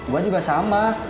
gua juga sama